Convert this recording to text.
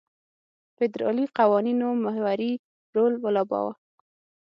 فدرالي قوانینو محوري رول ولوباوه.